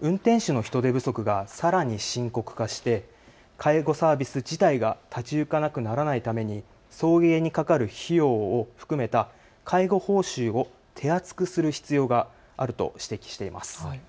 運転手の人手不足がさらに深刻化して介護サービス自体が立ち行かなくならないために送迎にかかる費用を含めた介護報酬を手厚くする必要があると指摘しています。